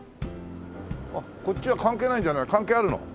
あっこっちは関係ないんじゃない関係あるの？